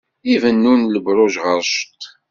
Ibennun lebṛuj ɣer cceṭ.